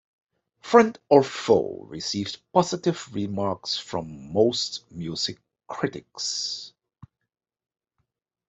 "Friend or Foe" received positive remarks from most music critics.